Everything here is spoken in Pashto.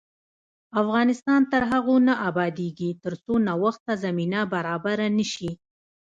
افغانستان تر هغو نه ابادیږي، ترڅو نوښت ته زمینه برابره نشي.